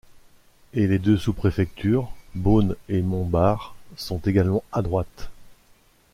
Et les deux sous-préfectures, Beaune et Montbard, sont également à droite.